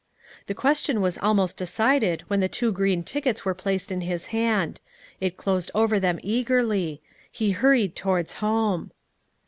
The question was almost decided when the two green tickets were placed in his hand; it closed over them eagerly. He hurried towards home.